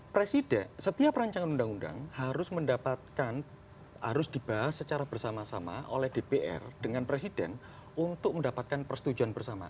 presiden setiap rancangan undang undang harus mendapatkan harus dibahas secara bersama sama oleh dpr dengan presiden untuk mendapatkan persetujuan bersama